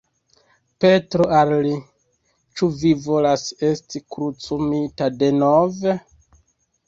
Petro al li: "Ĉu vi volas esti krucumita denove?